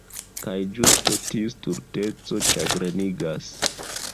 Kaj ĝuste tiu stulteco ĉagrenigas.